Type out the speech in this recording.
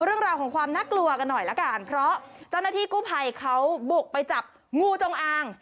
เรื่องราวของความน่ากลัวกันหน่อยละกันเพราะเจ้าหน้าที่กู้ภัยเขาบุกไปจับงูจงอาง